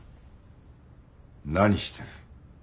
何してる。